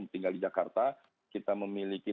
tinggal di jakarta kita memiliki